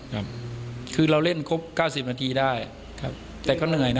ครีวเมื่อเราเล่นครบ๙๐นาทีได้แต่ก็เหนื่อยนะ